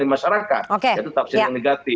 di masyarakat yaitu tafsir yang negatif